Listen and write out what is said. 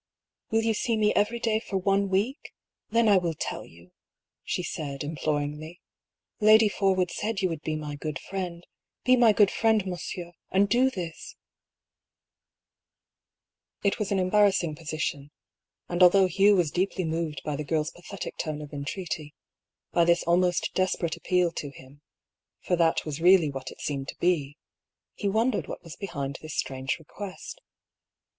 "Will you see me every day for one week? then I will tell you," she said, imploringly. " Lady Porwood said you would be my good friend. Be my good friend, monsieur, and do this !" It was an embarrassing position ; and although Hugh was deeply moved by the giri's pathetic tone of entreaty, by this almost desperate appeal to him — for that was really what it seemed to be, — he wondered what was behind this strange request.